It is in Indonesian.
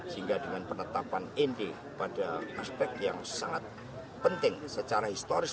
sehingga dengan penetapan ini pada aspek yang sangat penting secara historis